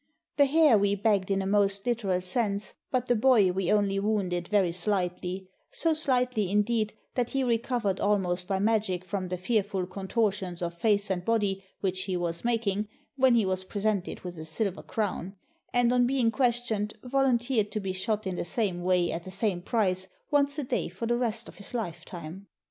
The hare we bagged in a most literal sense, but the boy we only wounded very slightly — so slightly, indeed, that he re covered almost by magic from the fearful contortions of face and body which he was making, when he was presented with a silver crown, and, on being questioned, volunteered to be shot in the same way at the same price once a day for the rest of his lifetime.